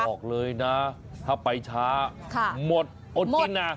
บอกเลยนะถ้าไปช้าหมดอดกินนะ